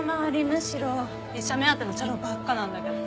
むしろ医者目当てのチャラ男ばっかなんだけど。